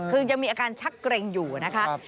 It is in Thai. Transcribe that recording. คือยังมีอาการชักเกร็งอยู่นะคะ